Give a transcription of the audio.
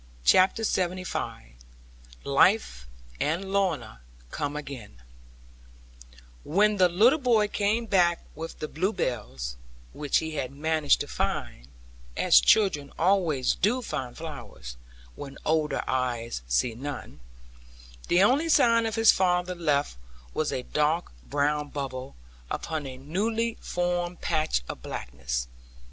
CHAPTER LXXV LIFE AND LORNA COME AGAIN When the little boy came back with the bluebells, which he had managed to find as children always do find flowers, when older eyes see none the only sign of his father left was a dark brown bubble, upon a newly formed patch of blackness.